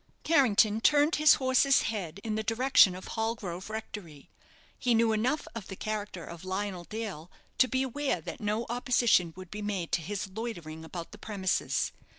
Carrington turned his horse's head in the direction of Hallgrove Rectory. He knew enough of the character of Lionel Dale to be aware that no opposition would be made to his loitering about the premises.